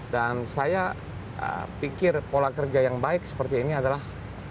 dan saya pikir pola kerja yang baik seperti ini adalah